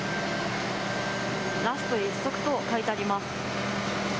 ラスト１足と書いてあります。